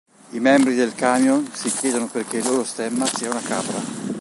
I membri del camion si chiedono perché il loro stemma sia una capra.